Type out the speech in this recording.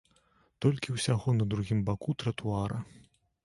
Толькі ўсяго на другім баку тратуара.